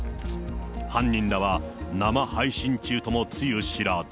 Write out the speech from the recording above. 犯人らは生配信中ともつゆ知らず。